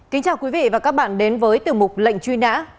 kính chào quý vị và các bạn đến với tiểu mục lệnh truy nã